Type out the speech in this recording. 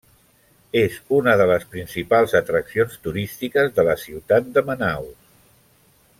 És una de les principals atraccions turístiques de la ciutat de Manaus.